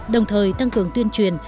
đồng thời tăng cường tuyên truyền